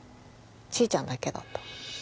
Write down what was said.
ちーちゃんだけだった